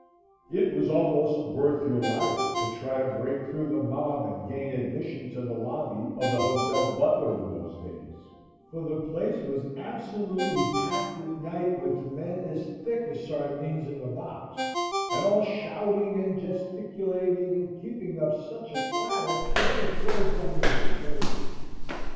It was almost worth your life to try to break through the mob and gain admission to the lobby of the Hotel Butler in those days, for the place was absolutely packed at night with men as thick as sardines in a box, and all shouting and gesticulating and keeping up such a clatter that it drove one nearly crazy.